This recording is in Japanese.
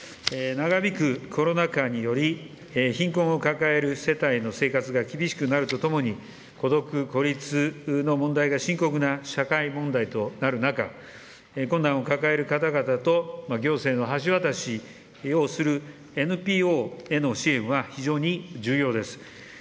長引くコロナ禍により、貧困を抱える世帯の生活が厳しくなるとともに、孤独、孤立の問題が深刻な社会問題となる中、困難を抱える方々と行政の橋渡しをするＮＰＯへの支援は非常に重要です。